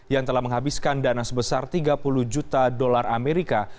yang telah menghabiskan dana sebesar tiga puluh juta dolar amerika